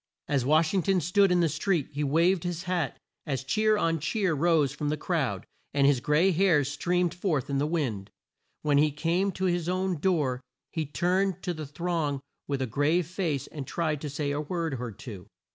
As Wash ing ton stood in the street he waved his hat as cheer on cheer rose from the crowd, and his gray hairs streamed forth in the wind. When he came to his own door he turned to the throng with a grave face and tried to say a word or two.